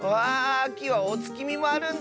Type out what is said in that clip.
あきはおつきみもあるんだった。